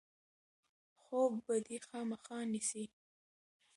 خوب به دی خامخا نیسي.